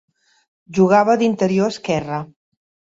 Jugava d'interior esquerre.